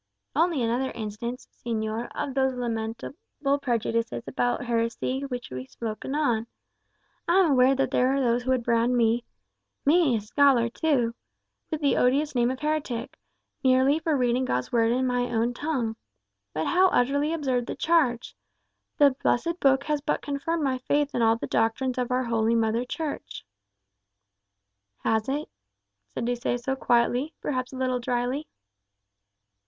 "Only another instance, señor, of those lamentable prejudices about heresy about which we spoke anon. I am aware that there are those that would brand me (me, a scholar too!) with the odious name of heretic, merely for reading God's Word in my own tongue. But how utterly absurd the charge! The blessed Book has but confirmed my faith in all the doctrines of our holy Mother Church." "Has it?" said De Seso, quietly, perhaps a little drily.